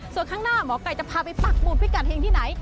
ส่วนข้างหน้าหมอไก่จะพาไปปักหมุดพิกัดเฮงที่ไหน